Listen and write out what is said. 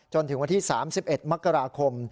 จนถึงวันที่๓๑มกราคม